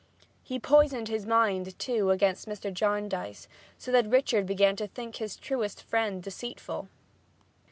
He poisoned his mind, too, against Mr. Jarndyce, so that Richard began to think his truest friend deceitful.